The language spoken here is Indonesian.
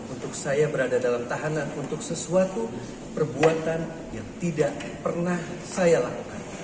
untuk saya berada dalam tahanan untuk sesuatu perbuatan yang tidak pernah saya lakukan